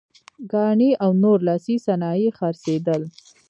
ګاڼې او نور لاسي صنایع یې خرڅېدل.